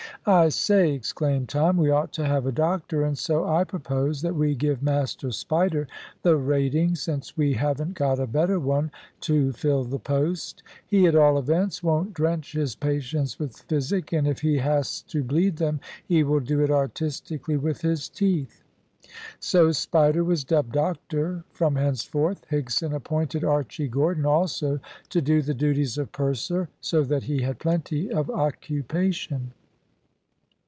"I say," exclaimed Tom, "we ought to have a doctor, and so I propose that we give Master Spider the rating, since we haven't got a better one to fill the post; he at all events won't drench his patients with physic, and if he has to bleed them he will do it artistically with his teeth." So Spider was dubbed "Doctor" from henceforth. Higson appointed Archy Gordon also to do the duties of "Purser," so that he had plenty of occupation.